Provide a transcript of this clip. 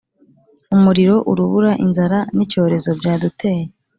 Umuriro, urubura, inzara, n’icyorezo, byaduteye